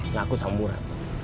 ngaku sama murad